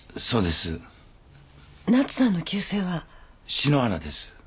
篠原です。